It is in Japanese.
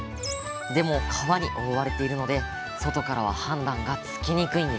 でも皮に覆われているので外からは判断がつきにくいんです。